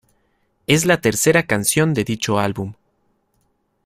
Es la tercera canción de dicho álbum.